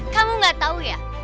kamu gak tau ya